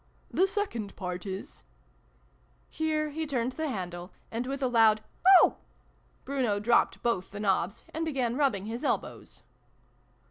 " The second part is Here he turned the handle, and, with a loud " Oh !", Bruno dropped both the knobs, and began rubbing his elbows.